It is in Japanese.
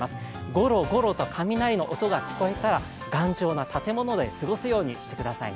ゴロゴロと雷の音が聞こえたら、頑丈な建物で過ごすようにしてください。